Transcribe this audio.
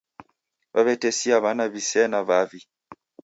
Waw'etesia w'ana wisena wavi